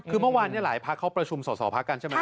คือเมื่อวานหลายภักดิ์เข้าประชุมส่อภักดิ์กันใช่ไหม